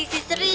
eh si sri